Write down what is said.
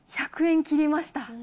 １００円切りました。